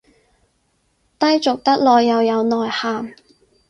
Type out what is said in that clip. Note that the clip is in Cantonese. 低俗得來又有內涵